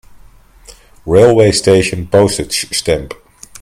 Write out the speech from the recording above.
Railway station Postage stamp.